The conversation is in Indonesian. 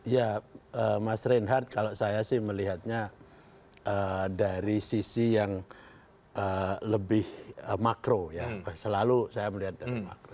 ya mas reinhardt kalau saya sih melihatnya dari sisi yang lebih makro ya selalu saya melihat dari makro